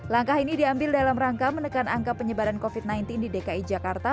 langkah ini diambil dalam rangka menekan angka penyebaran covid sembilan belas di dki jakarta